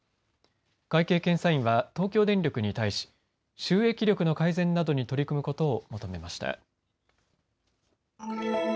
会計検査院は東京電力に対し収益力の改善などに取り組むことを求めました。